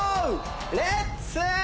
レッツ！